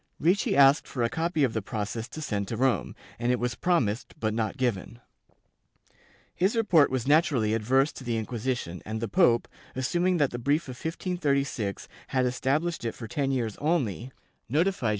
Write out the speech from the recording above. Ricci asked for a copy of the process to send to Rome, and it was promised but not given. His report was naturally adverse to the Inquisition and the pope, assuming that the brief of 1536 had estabUshed it for ten years only, notified Joao that * C!